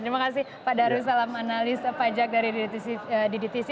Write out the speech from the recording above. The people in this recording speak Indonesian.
terima kasih pak darius salam analis pajak dari ddtc